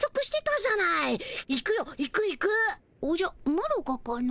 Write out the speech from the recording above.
マロがかの？